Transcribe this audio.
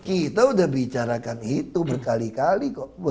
kita udah bicarakan itu berkali kali kok